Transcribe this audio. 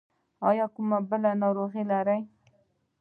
ایا بله کومه ناروغي لرئ؟